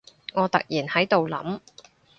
我突然喺度諗